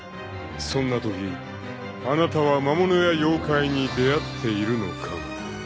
［そんなときあなたは魔物や妖怪に出合っているのかも］